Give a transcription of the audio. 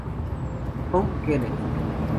Hum Genet.